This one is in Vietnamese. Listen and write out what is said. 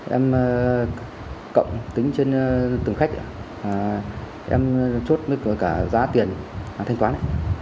em cộng tính trên từng khách em chốt với cả giá tiền thanh toán